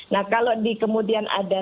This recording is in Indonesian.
nah kalau di kemudian ada